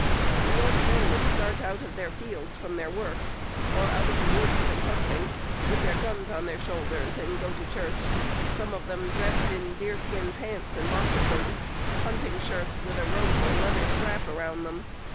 The old men would start out of their fields from their work, or out of the woods from hunting, with their guns on their shoulders, and go to church. Some of them dressed in deer skin pants and moccasins, hunting shirts with a rope or leather strap around them.